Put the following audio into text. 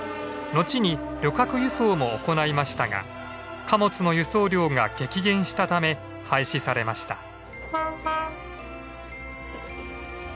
後に旅客輸送も行いましたが貨物の輸送量が激減したため廃止されました。